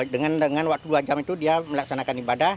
dengan waktu dua jam itu dia melaksanakan ibadah